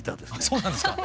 そうなんですか？